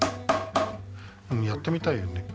やってみたいよね。